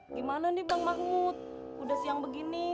gimana nih bang mahmud udah siang begini